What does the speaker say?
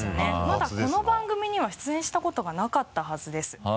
まだこの番組には出演したことがなかったはずです。